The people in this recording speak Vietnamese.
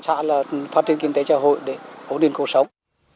chẳng hạn là phát triển kinh tế trò hội để ổn định cuộc sống